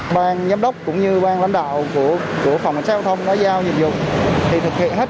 bàn giám đốc cũng như bàn lãnh đạo của phòng cảnh sát giao thông giao nhiệm vụ thì thực hiện hết